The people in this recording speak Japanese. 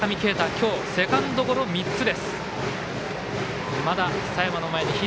今日セカンドゴロ３つ。